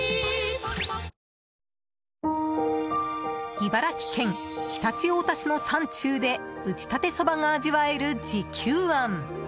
茨城県常陸太田市の山中で打ちたてそばが味わえる、慈久庵。